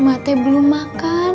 mati belum makan